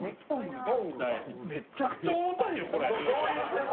めっちゃくちゃ重たいよ、これ！